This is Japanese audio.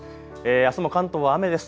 あすも関東は雨です。